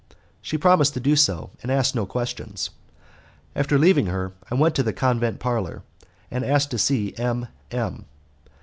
She promised to do so, and asked no questions. After leaving her I went to the convent parlour, and asked to see M M